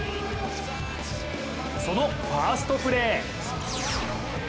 そのファーストプレー。